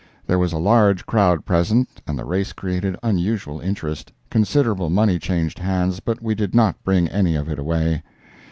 There was a large crowd present, and the race created unusual interest; considerable money changed hands, but we did not bring any of it away.